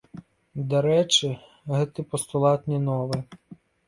Дарэчы, гэты пастулат не новы.